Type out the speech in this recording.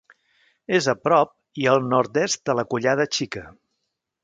És a prop i al nord-est de la Collada Xica.